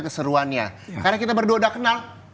keseruannya karena kita berdua udah kenal